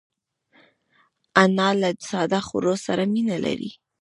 انا له ساده خوړو سره مینه لري